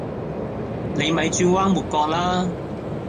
你咪轉彎抹角喇